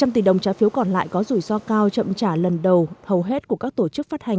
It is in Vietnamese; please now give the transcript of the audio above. một trăm linh tỷ đồng trái phiếu còn lại có rủi ro cao chậm trả lần đầu hầu hết của các tổ chức phát hành